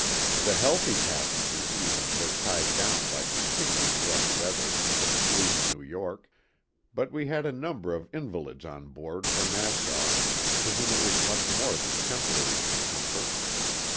The healthy passengers even were tired down by continued rough weather since leaving New York, but we had a number of invalids on board for Nassau to whom it was much more than temporary discomfort.